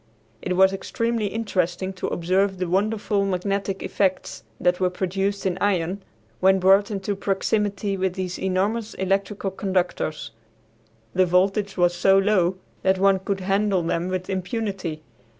It was extremely interesting to observe the wonderful magnetic effects that were produced in iron when brought into proximity with these enormous electrical conductors. The voltage was so low that one could handle them with impunity.